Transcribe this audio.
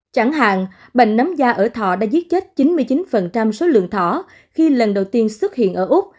chẳng hạn bệnh nấm da ở thọ đã giết chết chín mươi chín số lượng thỏ khi lần đầu tiên xuất hiện ở úc